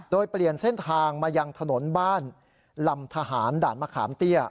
โดยเปลี่ยนเส้นทางมายังถนนบ้านลำทหารด่านมะขามเตี้ย